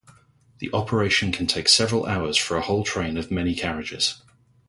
The operation can take several hours for a whole train of many carriages.